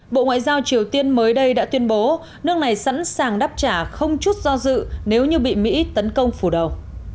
bộ ngoại giao triều tiên mới đây đã tuyên bố nước này sẵn sàng đáp trả không chút do dự nếu như bị mỹ tấn công phủ đầu